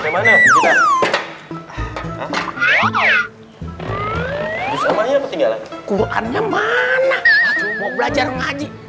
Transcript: berdua hanya mana belajar ngaji